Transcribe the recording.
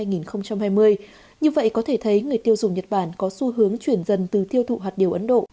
như vậy có thể thấy người tiêu dùng nhật bản có xu hướng chuyển dần từ tiêu thụ hạt điều ấn độ